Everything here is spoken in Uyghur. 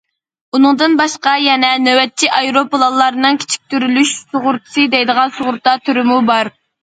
ئۇنىڭدىن باشقا يەنە نۆۋەتچى ئايروپىلانلارنىڭ كېچىكتۈرۈلۈش سۇغۇرتىسى، دەيدىغان سۇغۇرتا تۈرىمۇ بار.